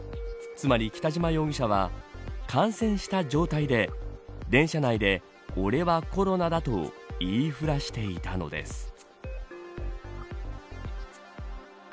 つまり、北島容疑者は感染した状態で電車内で俺はコロナだと言いふらしていたのです。